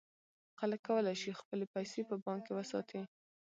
خلک کولای شي خپلې پیسې په بانک کې وساتي.